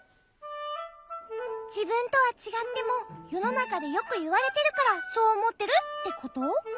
じぶんとはちがってもよのなかでよくいわれてるからそうおもってるってこと？